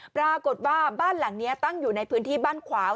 ปรากฏว่าบ้านหลังนี้ตั้งอยู่ในพื้นที่บ้านขวาง